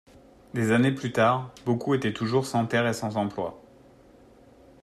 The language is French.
Des années plus tard, beaucoup étaient toujours sans terre et sans emploi.